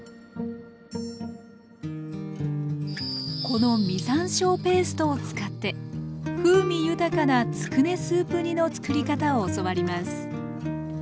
この実山椒ペーストを使って風味豊かなつくねスープ煮の作り方を教わります。